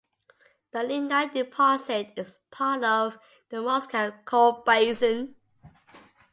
The lignite deposit is part of the Moscow coal basin.